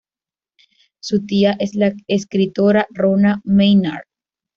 Su tía es la escritora Rona Maynard.